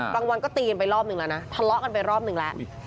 วันก็ตีกันไปรอบนึงแล้วนะทะเลาะกันไปรอบหนึ่งแล้ว